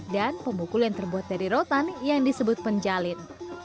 dan pemukul yang terbuat dari rotan yang disebut penjalin